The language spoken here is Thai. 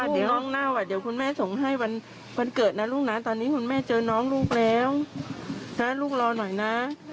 เดี๋ยวห้องหน้าเดี๋ยวคุณแม่ส่งให้วันเกิดนะลูกนะตอนนี้คุณแม่เจอน้องลูกแล้วนะลูกรอหน่อยนะ